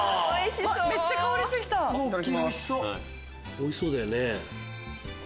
おいしそうだよね。